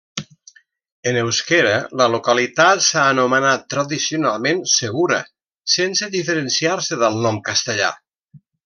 En euskera la localitat s'ha anomenat tradicionalment Segura, sense diferenciar-se del nom castellà.